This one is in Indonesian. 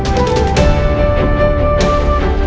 kalian ikut aku